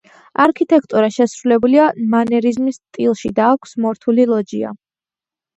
არქიტექტურა შესრულებულია მანერიზმის სტილში და აქვს მორთული ლოჯია.